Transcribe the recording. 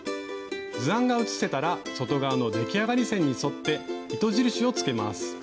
図案が写せたら外側の出来上がり線に沿って糸印を付けます。